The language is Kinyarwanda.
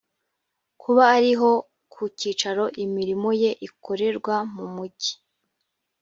kuba ari ho ku cyicaro imirimo ye ikorerwa mumujyi